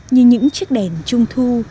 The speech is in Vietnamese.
như những chiếc đèn trung thu